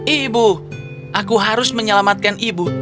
ibu aku harus menyelamatkan ibu